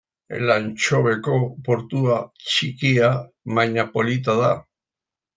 Elantxobeko portua txikia baina polita da.